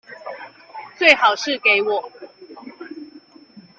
最好是給我